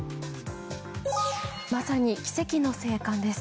まさに、奇跡の生還です。